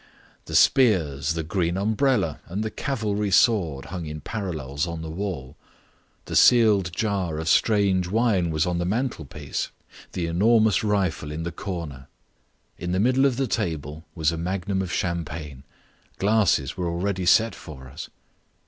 The spears, the green umbrella, and the cavalry sword hung in parallels on the wall. The sealed jar of strange wine was on the mantelpiece, the enormous rifle in the corner. In the middle of the table was a magnum of champagne. Glasses were already set for us.